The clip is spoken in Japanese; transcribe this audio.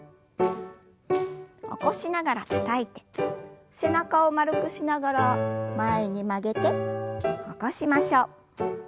起こしながらたたいて背中を丸くしながら前に曲げて起こしましょう。